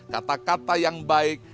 kata kata yang baik